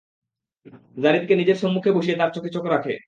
যারীদকে নিজের সম্মুখে বসিয়ে তার চোখে চোখ রাখে।